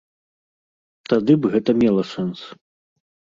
Тады б гэта мела сэнс.